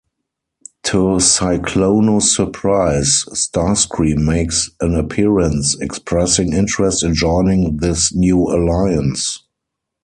To Cyclonus' surprise, Starscream makes an appearance, expressing interest in joining this new alliance.